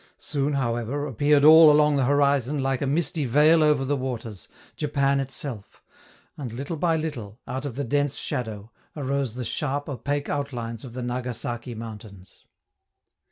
Soon, however, appeared all along the horizon, like a misty veil over the waters, Japan itself; and little by little, out of the dense shadow, arose the sharp, opaque outlines of the Nagasaki mountains.